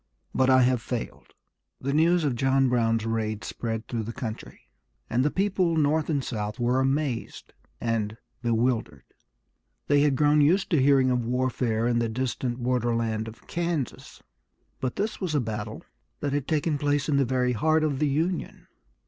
But I have failed." The news of John Brown's raid spread through the country, and the people North and South were amazed and bewildered. They had grown used to hearing of warfare in the distant borderland of Kansas, but this was a battle that had taken place in the very heart of the Union.